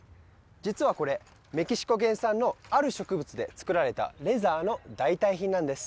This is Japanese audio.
実はこれメキシコ原産のある植物で作られたレザーの代替品なんです